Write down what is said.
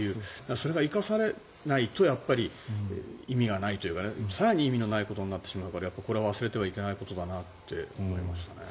それが生かされないと意味がないというか更に意味のないことになってしまうからこれは忘れてはいけないことだなって思いましたね。